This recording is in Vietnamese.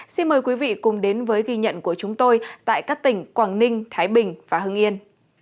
xin mời quý vị cùng đến với ghi nhận của chúng tôi tại các tỉnh quảng ninh thái bình và hưng yên